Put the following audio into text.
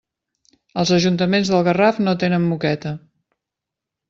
Els ajuntaments del Garraf no tenen moqueta.